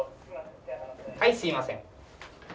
はいすいません。